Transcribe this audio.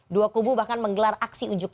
dua kubu bahkan menggelar aksi ujuk